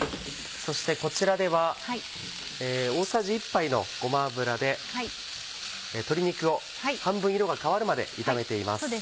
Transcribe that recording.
そしてこちらでは大さじ１杯のごま油で鶏肉を半分色が変わるまで炒めています。